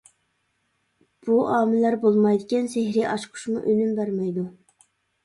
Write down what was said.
بۇ ئامىللار بولمايدىكەن، سېھرىي ئاچقۇچمۇ ئۈنۈم بەرمەيدۇ.